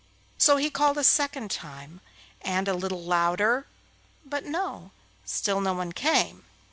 So he called a second time, and a little louder, but no! still no one came.